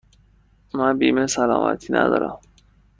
من بیمه سلامتی ندارم.